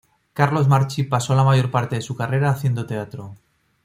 Carlos Marchi pasó la mayor parte de su carrera haciendo teatro.